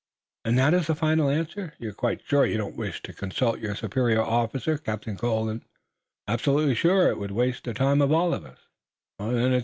"And that is the final answer? You're quite sure you don't wish to consult your superior officer, Captain Colden?" "Absolutely sure. It would waste the time of all of us."